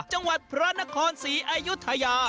จังหวัดพระนครศรีอายุทยา